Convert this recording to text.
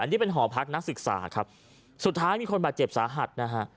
นี่เป็นหอพักนักศึกษาครับสุดท้ายมีคนบาดเจ็บสาหัสนะฮะ